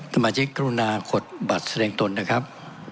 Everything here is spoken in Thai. ธรรมจิกรุณาขวดบัตรแสดงตนนะครับ